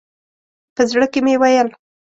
په زړه کې مې ویل.